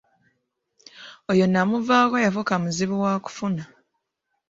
Oyo namuvaako yafuuka muzibu wakufuna.